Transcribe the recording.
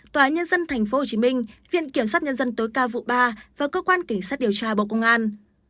tòa nhân dân tp hcm viện kiểm sát nhân dân tối cao vụ ba và cơ quan cảnh sát điều tra bộ công an